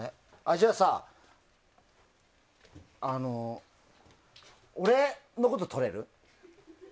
じゃあさ、俺のこととれる？